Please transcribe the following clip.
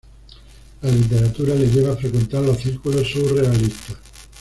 La literatura le lleva a frecuentar los círculos surrealistas.